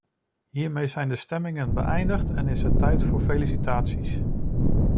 Hiermee zijn de stemmingen beëindigd en is het tijd voor felicitaties.